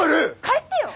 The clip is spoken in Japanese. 帰ってよ。